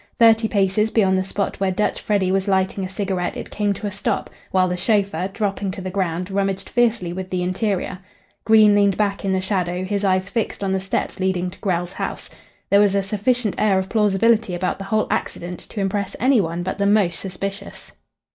Thirty paces beyond the spot where Dutch Freddy was lighting a cigarette it came to a stop, while the chauffeur, dropping to the ground, rummaged fiercely with the interior. Green leaned back in the shadow, his eyes fixed on the steps leading to Grell's house. There was a sufficient air of plausibility about the whole accident to impress any one but the most suspicious.